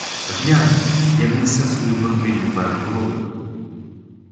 Глянь, як несе свою гординю верх голови!